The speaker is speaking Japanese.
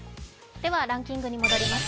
ではランキングに戻ります。